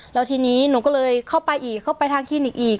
แล้วทีนี้หนูก็เลยเข้าไปอีกเข้าไปทางคลินิกอีก